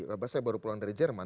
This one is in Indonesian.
karena saya baru pulang dari jerman